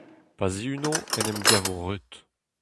Pa zihuno 'n em gavo reut.